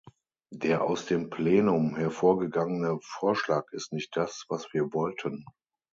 Der aus dem Plenum hervorgegangene Vorschlag ist nicht das, was wir wollten.